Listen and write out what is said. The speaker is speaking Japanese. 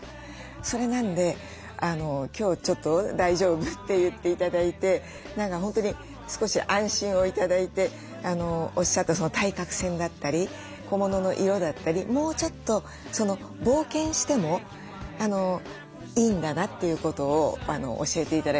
それなんで今日ちょっと大丈夫って言って頂いて何か本当に少し安心を頂いておっしゃった対角線だったり小物の色だったりもうちょっと冒険してもいいんだなということを教えて頂いた気がします。